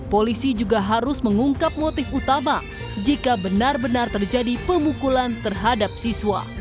polisi juga harus mengungkap motif utama jika benar benar terjadi pemukulan terhadap siswa